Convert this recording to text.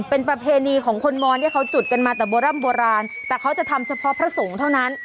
เป็นประเพณีของคนมอนที่เขาจุดกันมาแต่โบร่ำโบราณแต่เขาจะทำเฉพาะพระสงฆ์เท่านั้น